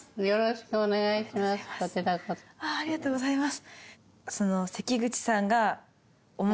ありがとうございます。